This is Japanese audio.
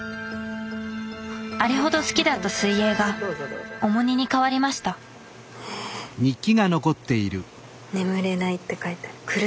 あれほど好きだった水泳が重荷に変わりました「眠れない」って書いてある。